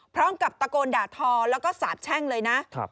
พร้อมกับตะโกนด่าทอแล้วก็สาบแช่งเลยนะ